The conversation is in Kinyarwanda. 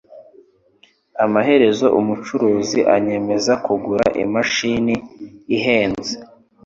Amaherezo umucuruzi anyemeza kugura imashini ihenze